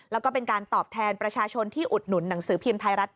แล้วก็เป็นการตอบแทนประชาชนที่อุดหนุนหนังสือพิมพ์ไทยรัฐ